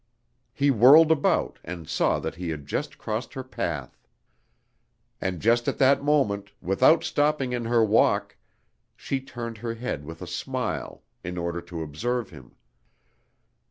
He whirled about and saw that he had just crossed her path. And just at that moment, without stopping in her walk, she turned her head with a smile in order to observe him.